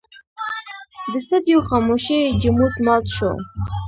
د صدېو خاموشۍ جمود مات شو.